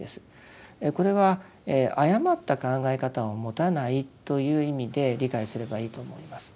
これは誤った考え方を持たないという意味で理解すればいいと思います。